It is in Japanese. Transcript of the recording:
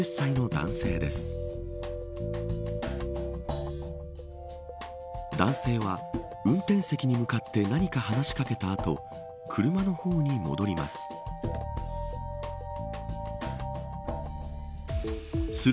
男性は運転席に向かって何か話しかけた後車の方に戻ります。